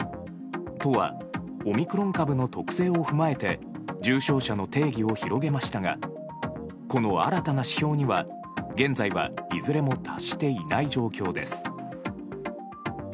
都はオミクロン株の特性を踏まえて重症者の定義を広げましたがこの新たな指標には現在はいずれも達していない状況です。